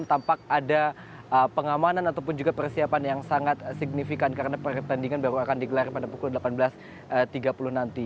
tampak ada pengamanan ataupun juga persiapan yang sangat signifikan karena pertandingan baru akan digelar pada pukul delapan belas tiga puluh nanti